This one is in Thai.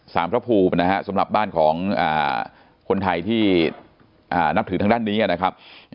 พระภูมินะฮะสำหรับบ้านของคนไทยที่นับถือทางด้านนี้นะครับ